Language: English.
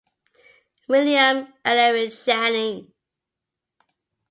William Ellery Channing.